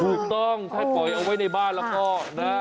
ถูกต้องถ้าปล่อยเอาไว้ในบ้านแล้วก็นะ